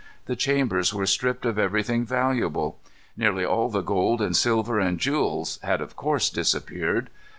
The chambers were stripped of everything valuable. Nearly all the gold and silver and jewels had of course disappeared.